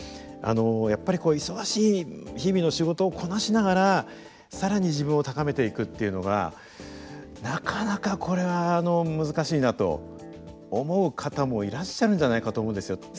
あのやっぱりこう忙しい日々の仕事をこなしながら更に自分を高めていくっていうのがなかなかこれは難しいなと思う方もいらっしゃるんじゃないかと思うんですよ。